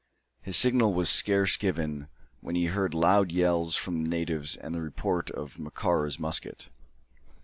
His signal was scarce given, when he heard loud yells from the natives and the report of Macora's musket.